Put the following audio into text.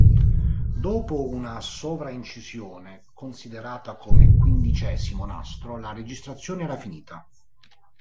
Dopo una sovraincisione, considerata come quindicesimo nastro, la registrazione era finita.